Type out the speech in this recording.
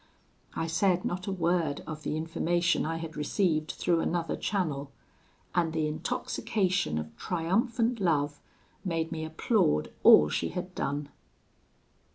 I said not a word of the information I had received through another channel; and the intoxication of triumphant love made me applaud all she had done."